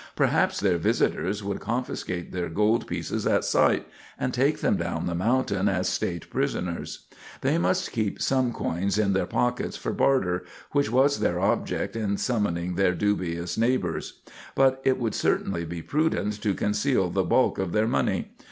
Perhaps their visitors would confiscate their gold pieces at sight, and take them down the mountain as State prisoners. They must keep some coins in their pockets for barter, which was their object in summoning their dubious neighbors; but it would certainly be prudent to conceal the bulk of their money.